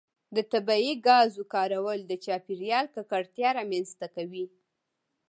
د طبیعي ګازو کارول د چاپیریال ککړتیا رامنځته کوي.